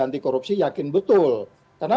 anti korupsi yakin betul karena